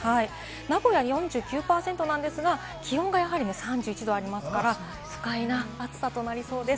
名古屋４９％なんですが、気温がやはり３１度ありますから、不快な暑さとなりそうです。